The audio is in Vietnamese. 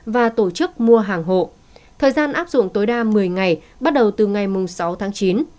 và tổ chức mua hàng hộ thời gian áp dụng tối đa một mươi ngày bắt đầu từ ngày sáu tháng chín